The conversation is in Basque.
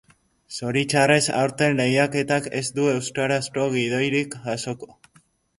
Zoritxarrez, aurten lehiaketak ez du euskarazko gidoirik jaso.